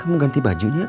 kamu ganti bajunya